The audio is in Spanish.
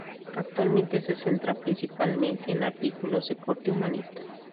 Actualmente se centra principalmente en artículos de corte humanista.